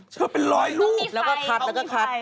เชิญเป็นร้อยรูปแล้วก็คัด